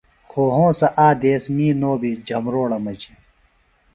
خوۡ ہونسہ آ دیس می بیۡ نو جھبروڑہ مجیۡ۔